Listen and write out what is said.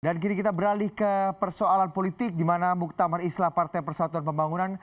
dan kini kita beralih ke persoalan politik di mana muktamar islah partai persatuan pembangunan